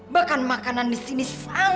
bahkan makanan di sini sangat